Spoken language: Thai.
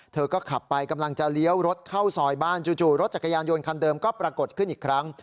เธอก็ขับไปกำลังจะเลี้ยวรถเข้าซอยบ้านจู่รถจักรยานยนต์คันเดิมก็ปรากฏขึ้นอีกครั้ง